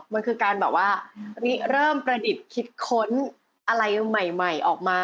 มันคือการแบบว่าเริ่มประดิษฐ์คิดค้นอะไรใหม่ออกมา